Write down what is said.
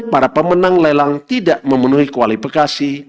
para pemenang lelang tidak memenuhi kualifikasi